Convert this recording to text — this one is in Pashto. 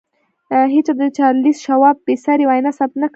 هېچا هم د چارلیس شواب بې ساري وینا ثبت نه کړه